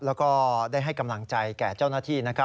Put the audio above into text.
แล้วก็ได้ให้กำลังใจแก่เจ้าหน้าที่นะครับ